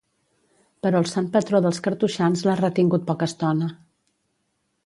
Però el sant patró dels cartoixans l'ha retingut poca estona.